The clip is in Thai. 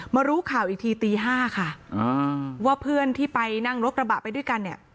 รู้ข่าวอีกทีตี๕ค่ะว่าเพื่อนที่ไปนั่งรถกระบะไปด้วยกันเนี่ย